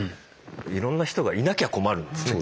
いろんな人がいなきゃ困るんですね。